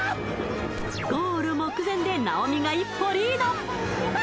ゴール目前で直美が一歩リードああ！